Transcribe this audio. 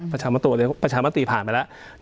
ประชามาตยผ่านไปแล้ว